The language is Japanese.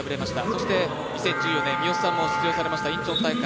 そして２０１４年、三好さんも出場されましたインチョン大会